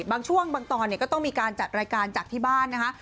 บางช่วงบางตอนก็ต้องมีการจัดรายการจากที่บ้านนะคะ